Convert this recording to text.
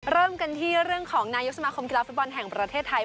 เริ่มกันที่เรื่องของนายกสมาคมกีฬาฟุตบอลแห่งประเทศไทย